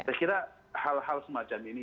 saya kira hal hal semacam ini